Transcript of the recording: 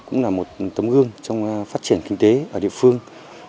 cũng là một tấm gương trong phát triển kinh tế ở địa phương